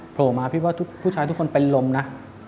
โผล่มาพี่ว่าผู้ชายทุกคนเป็นลมนะ